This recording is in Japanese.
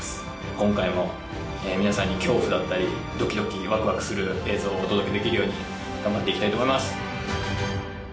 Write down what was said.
今回も皆さんに恐怖だったりドキドキワクワクする映像をお届けできるように頑張って行きたいと思います。